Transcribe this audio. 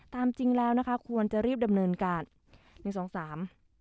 จริงแล้วนะคะควรจะรีบดำเนินการหนึ่งสองสาม